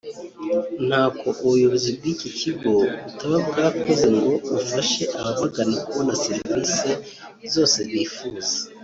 ntako ubuyobozi bw’iki kigo butaba bwakoze ngo bufashe ababagana kubona serivisi zose bifuza